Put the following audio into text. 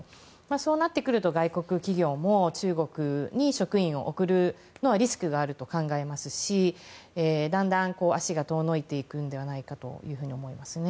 そうなってくると外国企業も中国に職員を送るのはリスクがあると考えますしだんだん足が遠のいていくのではないかと思いますね。